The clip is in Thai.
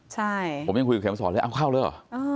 ใช่